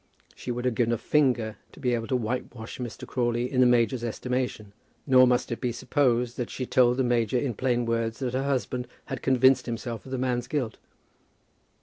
She would have given a finger to be able to whitewash Mr. Crawley in the major's estimation. Nor must it be supposed that she told the major in plain words that her husband had convinced himself of the man's guilt.